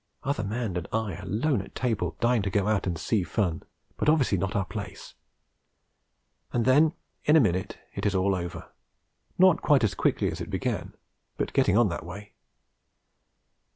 Other man and I alone at table, dying to go out and see fun, but obviously not our place. And then in a minute it is all over, not quite as quickly as it began, but getting on that way.